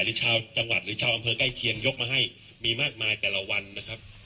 หรือชาวจังหวัดหรือชาวอำเภอใกล้เคียงยกมาให้มีมากมายแต่ละวันนะครับ